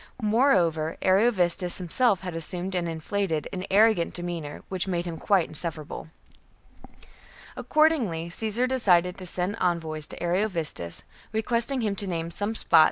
Moreover, Ariovistus himself had assumed an inflated and arrogant demeanour, which made him quite insufferable. HELVETII AND ARIOVISTUS 31 34. Accordingly Caesar decided to send envoys 58 b.c. to Ariovistus, requesting him to name some spot, ^•^'J.